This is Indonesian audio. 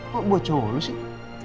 kok buat cowok sih